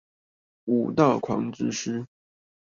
武道狂之詩